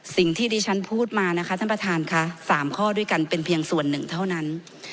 สิ่งที่ดิฉันพูดมานะคะท่านประธานค่ะ๓ข้อด้วยกันเป็นเพียงส่วนหนึ่งเท่านั้น